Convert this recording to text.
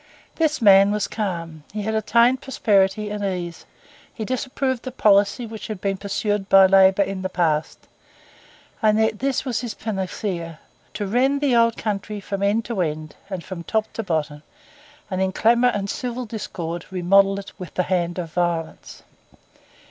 This man was calm; he had attained prosperity and ease; he disapproved the policy which had been pursued by labour in the past; and yet this was his panacea,—to rend the old country from end to end, and from top to bottom, and in clamour and civil discord remodel it with the hand of violence.